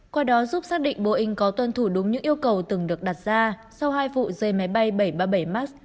qua đó giúp xác định boeing có tuân thủ đúng những yêu cầu từng được đặt ra sau hai vụ rơi máy bay bảy trăm ba mươi bảy max